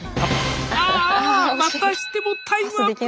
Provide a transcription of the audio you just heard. またしてもタイムアップだ。